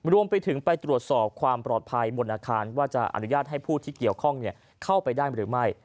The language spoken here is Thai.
รวมไปถึงไปตรวจสอบความปลอดภัยบนอาคารว่าจะอนุญาตให้ผู้ที่เกี่ยวข้องเข้าไปได้หรือไม่